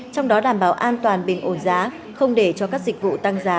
trong đó đảm bảo an toàn bình ổn giá không để cho các dịch vụ tăng giá